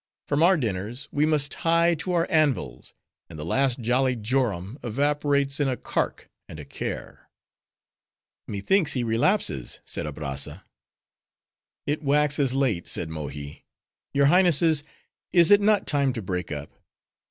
From our dinners, we must hie to our anvils: and the last jolly jorum evaporates in a cark and a care." "Methinks he relapses," said Abrazza. "It waxes late," said Mohi; "your Highnesses, is it not time to break up?"